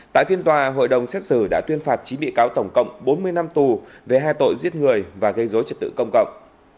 tại phiên tòa hội đồng xét xử đã tuyên phạt chín bị cáo tổng cộng bốn mươi năm tù về hai tội giết người và gây dối trật tự công cộng